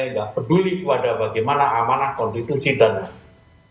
tidak peduli kepada bagaimana amanah konstitusi dan lain